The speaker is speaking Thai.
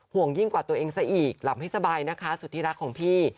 ห่วงยิ่งกว่าตัวเองซะอีกหลับให้สบายนะคะสุดที่รักของพี่